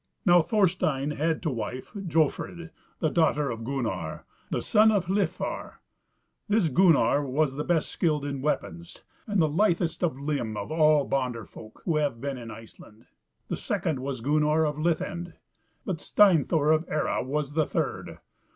Now, Thorstein had to wife Jofrid, the daughter of Gunnar, the son of Hlifar. This Gunnar was the best skilled in weapons, and the lithest of limb of all bonderfolk who have been in Iceland; the second was Gunnar of Lithend; but Steinthor of Ere was the third.